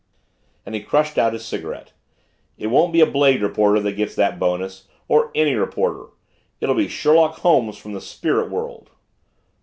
and he crushed out his cigarette. "It won't be a Blade reporter that gets that bonus or any reporter. It'll be Sherlock Holmes from the spirit world!"